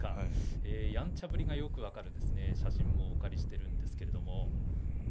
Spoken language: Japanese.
やんちゃぶりがよく分かる写真もお借りしているんですけれども。